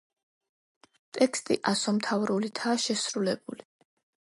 ტექსტი ასომთავრულითაა შესრულებული.